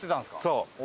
そう。